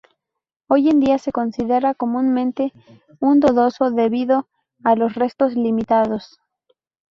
Hoy en día se considera comúnmente un dudoso debido a los restos limitados.